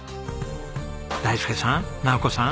大介さん尚子さん。